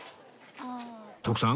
徳さん